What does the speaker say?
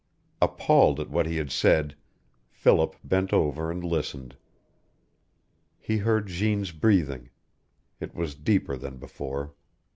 Appalled at what he had said, Philip bent over and listened. He heard Jeanne's breathing. It was deeper than before.